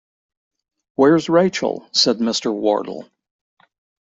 ‘Where’s Rachael?’ said Mr. Wardle.